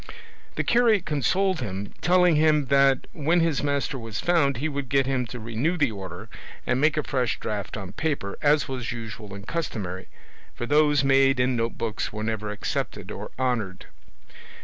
The curate consoled him, telling him that when his master was found he would get him to renew the order, and make a fresh draft on paper, as was usual and customary; for those made in notebooks were never accepted or honoured.